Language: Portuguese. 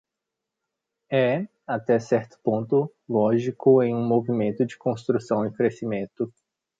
É, até certo ponto, lógico em um movimento de construção e crescimento.